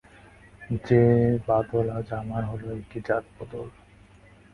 যে বদল আজ আমার হল এ কি জাত-বদল।